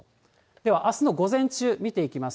ではあすの午前中見ていきます。